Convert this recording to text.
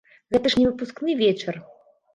Гэта ж не выпускны вечар.